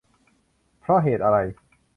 เพราะเหตุอะไร